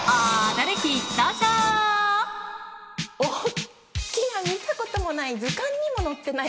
大っきな見たこともない図鑑にも載ってない